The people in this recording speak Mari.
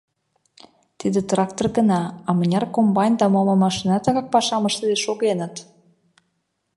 Тиде трактор гына, а мыняр комбайн да моло машина тыгак пашам ыштыде шогеныт?